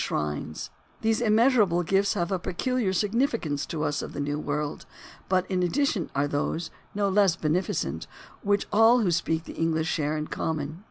THE ORIGIN OF CERTAIN AMERICANISMS 269 These immeasurable gifts have a peculiar significance to us of the New World, but in addition are those, no less beneficent, which all who speak English share in common.